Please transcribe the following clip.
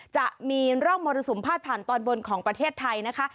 จะมีร่องมรสุมพาดผ่านตอนบนของประเทศไทยนะคะ